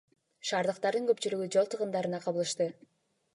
Шаардыктардын көпчүлүгү жол тыгындарына кабылышты.